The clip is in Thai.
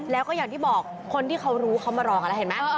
แล้วก็อย่างที่บอกคนที่เขารู้เขามารอกันแล้วเห็นไหม